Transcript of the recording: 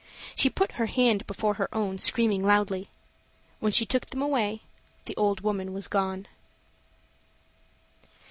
She put her hand before her own, screaming loudly. When she took them away the old woman was gone.